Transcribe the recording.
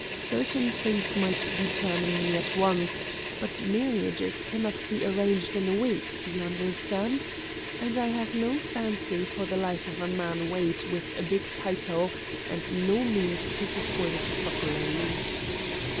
Certain things might determine me at once; but marriages cannot be arranged in a week. You understand? And I have no fancy for the life of a man weighted with a big title and no means to support it properly."